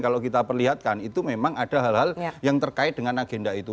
kalau kita perlihatkan itu memang ada hal hal yang terkait dengan agenda itu